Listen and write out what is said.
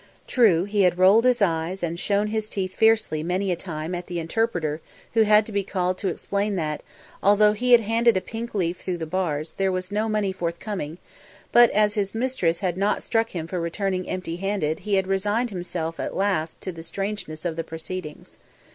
True, he had rolled his eyes and shown his teeth fiercely many a time at the interpreter who had had to be called to explain that, although he had handed a pink leaf through the bars, there was no money forthcoming; but as his mistress had not struck him for returning empty handed he had resigned himself at last to the strangeness of the proceedings.